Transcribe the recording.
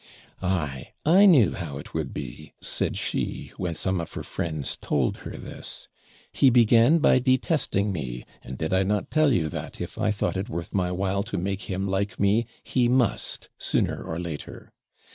'Ay, I knew how it would be,' said she, when some of her friends told her this. 'He began by detesting me, and did I not tell you that, if I thought it worth my while to make him like me, he must, sooner or later.